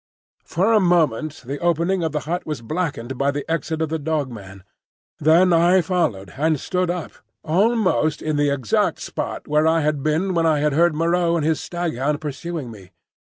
For a moment the opening of the hut was blackened by the exit of the Dog man. Then I followed and stood up, almost in the exact spot where I had been when I had heard Moreau and his staghound pursuing me.